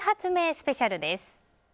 スペシャルです。